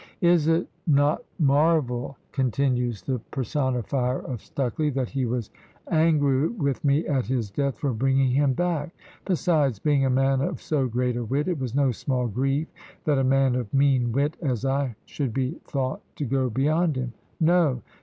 Is it not marvel," continues the personifier of Stucley, "that he was angry with me at his death for bringing him back? Besides, being a man of so great a wit, it was no small grief that a man of mean wit as I should be thought to go beyond him. No?